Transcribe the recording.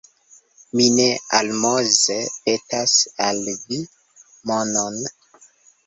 Mi ne almoze petas al vi monon!